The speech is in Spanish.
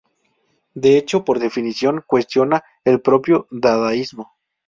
De hecho, por definición, cuestiona el propio Dadaísmo.